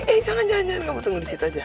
eh jangan jangan kamu tunggu disitu aja